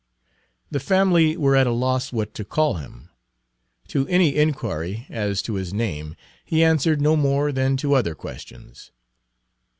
The family were at a loss what to call him. To any inquiry as to his name he answered no more than to other questions.